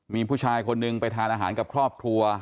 มีผู้ชายคนหนึ่งไปทานอาหารกับครอบครัว